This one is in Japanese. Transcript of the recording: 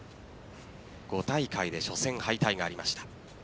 ５大会で初戦敗退がありました。